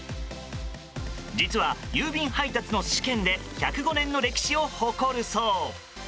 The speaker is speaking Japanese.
実は、郵便配達の試験で１０５年の歴史を誇るそう。